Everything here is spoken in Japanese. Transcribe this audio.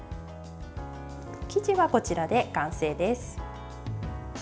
生地はこちらで完成です。